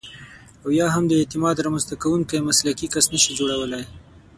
او یا هم د اعتماد رامنځته کوونکی مسلکي کس نشئ جوړولای.